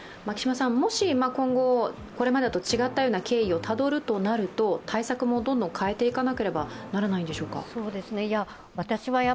もし今後、これまでと違ったような経緯をたどるとなると対策もどんどん変えていかなければならないんでしょうか。